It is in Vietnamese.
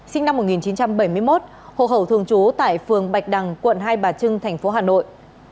sinh năm một nghìn chín trăm bảy mươi một hộ khẩu thường trú tại phường bạch đằng quận hai bà trưng thành phố hà nội